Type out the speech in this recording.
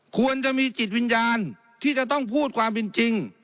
ควรจะมีจิตวิญญาณที่จะต้องพูดความเป็นจริง